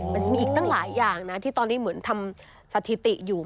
มันมีอีกตั้งหลายอย่างนะที่ตอนนี้เหมือนทำสถิติอยู่